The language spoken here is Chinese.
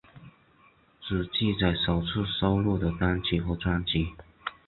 只记载首次收录的单曲和专辑。